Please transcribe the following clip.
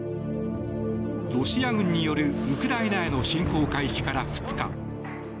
ロシア軍によるウクライナへの侵攻開始から２日。